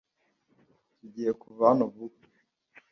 Tugiye kuva hano vuba.